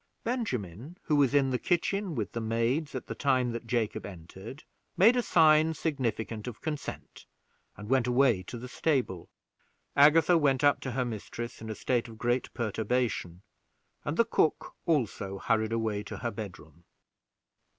Benjamin, who was in the kitchen with the maids at the time that Jacob entered, made a sign significant of consent, and went away to the stable. Agatha went up to her mistress in a state of great perturbation, and the cook also hurried away to her bedroom.